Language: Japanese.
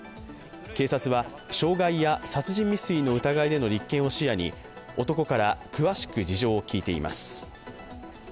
警察は、傷害や殺人未遂の疑いでの立件を視野に男から詳しく事情を聴いています。